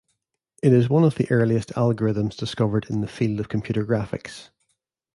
It is one of the earliest algorithms discovered in the field of computer graphics.